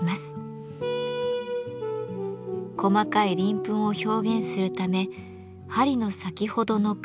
細かい鱗粉を表現するため針の先ほどの貝を一粒一粒